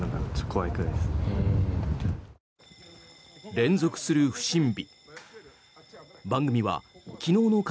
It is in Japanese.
連続する不審火。